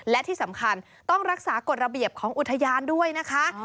และที่สำคัญต้องรักษากฎระเบียบของอุทยานด้วยนะคะ